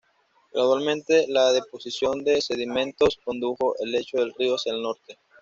Gradualmente la deposición de sedimentos condujo el lecho del río hacia el norte.